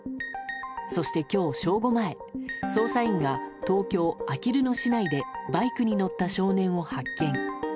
そして、今日正午前捜査員が東京・あきる野市内でバイクに乗った少年を発見。